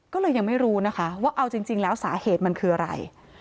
ก็เลยยังไม่รู้นะคะว่าเอาจริงแล้วสาเหตุมันคืออะไร